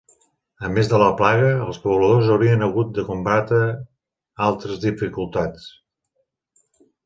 A més de la plaga, els pobladors haurien hagut de combatre altres dificultats.